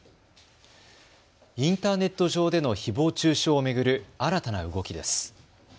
インターネット上でのひぼう中傷を巡る新たな動きです。